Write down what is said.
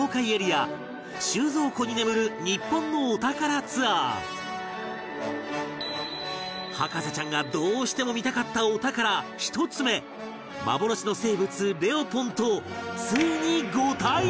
収蔵庫に眠る日本のお宝ツアー博士ちゃんがどうしても見たかったお宝１つ目幻の生物レオポンとついにご対面！